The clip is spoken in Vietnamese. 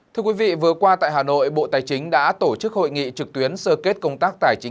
thưa quý vị vừa qua tại hà nội bộ tài chính đã tổ chức hội nghị trực tuyến sơ kết công tác tài chính